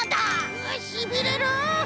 うしびれる！